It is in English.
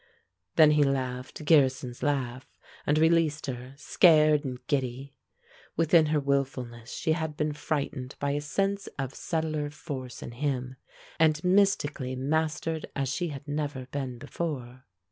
Then he laughed Gearson's laugh, and released her, scared and giddy. Within her wilfulness she had been frightened by a sense of subtler force in him, and mystically mastered as she had never been before.